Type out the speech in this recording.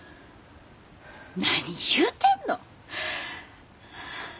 何言うてんの！